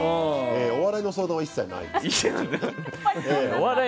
お笑いの相談は一切ない。